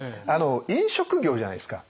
飲食業じゃないですか。